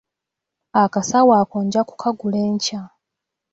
Akasawo ako nja kukagula enkya.